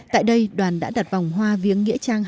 tại đây đoàn đã đặt vòng hoa viếng nghĩa trang hai